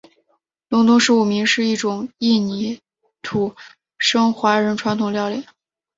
隆东十五暝是一种印尼土生华人传统料理。